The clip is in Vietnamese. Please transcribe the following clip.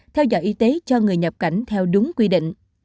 theo dõi y tế cho người nhập cảnh theo đúng quy định